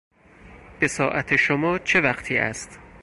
به ساعت شما چه وقتی است؟